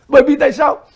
bởi vì tại sao